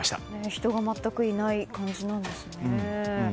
人が全くいない感じなんですね。